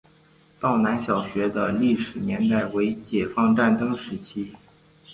道南小学的历史年代为解放战争时期。